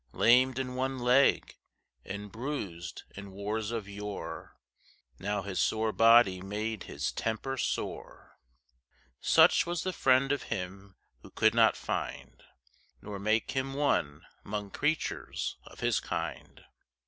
Lamed in one leg, and bruised in wars of yore, Now his sore body made his temper sore. Such was the friend of him who could not find, Nor make him one, 'mong creatures of his kind.